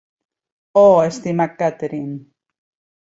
Oh, estimat Catherine!